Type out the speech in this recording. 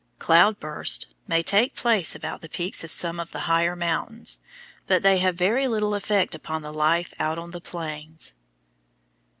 Cloud bursts may take place about the peaks of some of the higher mountains, but they have very little effect upon the life out on the plains.